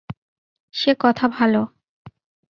সে কথা ভালো।